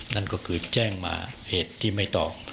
นั่นก็คือแจ้งมาเหตุที่ไม่ต้อง